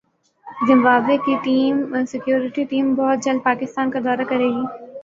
Zimbabwe کی security team بہت جلد پاکستان کا دورہ کریگی